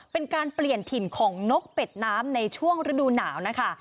เป็นการเปลี่ยนถิ่นของนกเป็ดน้ำในช่วงฤดูหนาวนะคะ